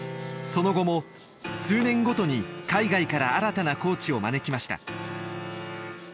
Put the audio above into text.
その後も数年ごとに海外から新たなコーチを招きました。